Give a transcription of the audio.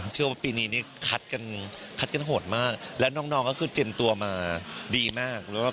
เชื่อว่าปีนี้คัดกันโหดมากและน้องก็คือเจ็นตัวมาดีมาก